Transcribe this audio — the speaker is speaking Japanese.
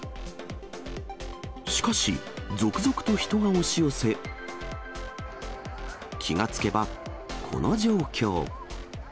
しかし、続々と人が押し寄せ、気が付けば、この状況。